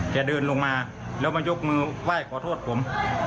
เดินลงมาแล้วมายกมือไหว้ขอโทษผม